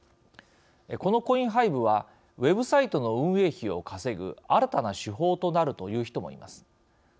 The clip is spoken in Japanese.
このコインハイブはウェブサイトの運営費を稼ぐ新たな手法となるという人もいます。